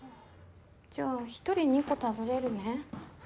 じゃあ１人２個食べれるね。